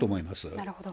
なるほど。